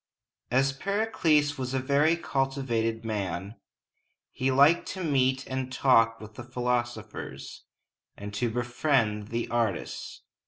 As Pericles was a very cultivated man, he liked to meet and talk with the philosophers, and to befriend the artists.